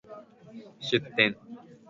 出店